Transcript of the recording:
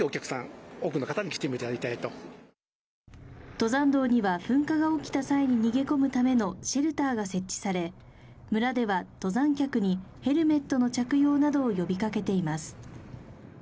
登山道には噴火が起きた際に逃げ込むためのシェルターが設置され、村では登山客にヘルメットの着用などを呼びかけています。